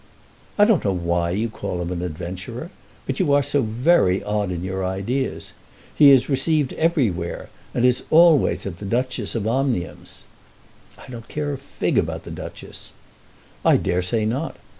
"I don't know why you call him an adventurer. But you are so very odd in your ideas! He is received everywhere, and is always at the Duchess of Omnium's." "I don't care a fig about the Duchess." "I dare say not.